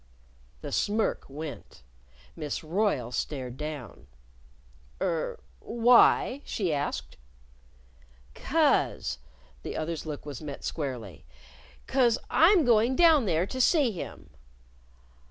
The smirk went. Miss Royle stared down. "Er why?" she asked. "'Cause" the other's look was met squarely "'cause I'm going down there to see him."